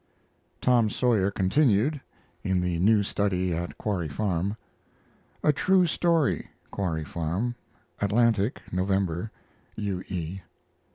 TOM SAWYER continued (in the new study at Quarry Farm). A TRUE STORY (Quarry Farm) Atlantic, November. U. E.